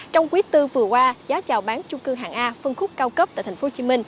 trong quý tư vừa qua giá trào bán chung cư hạng a phân khúc cao cấp tại thành phố hồ chí minh